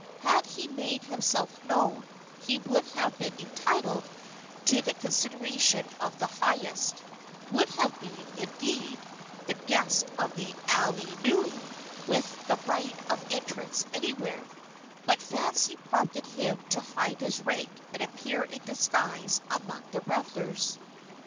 Had he made himself known he would have been entitled to the consideration of the highest would have been, indeed, the guest of the alii nui, with the right of entrance anywhere; but fancy prompted him to hide his rank and appear in disguise among the revelers.